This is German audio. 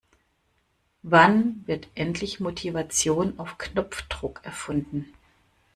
Wann wird endlich Motivation auf Knopfdruck erfunden?